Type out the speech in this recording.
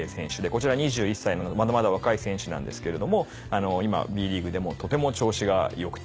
こちら２１歳なのでまだまだ若い選手なんですけれども今Ｂリーグでもとても調子が良くて。